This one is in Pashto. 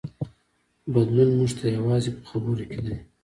بدلون موږ ته یوازې په خبرو کې دی.